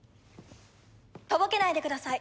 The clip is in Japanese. とぼけないでください！